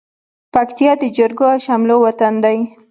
پکتيا د جرګو او شملو وطن دى.